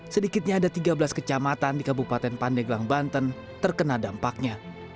sedikitnya ada tiga belas kecamatan di kabupaten pandeglang banten terkena dampaknya